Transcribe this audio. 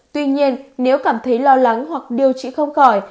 tuy nhiên nếu cảm thấy lo lắng hoặc điều trị không khỏi